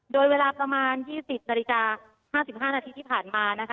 โดยเวลาประมาณ๒๐นาฬิกา๕๕นาทีที่ผ่านมานะคะ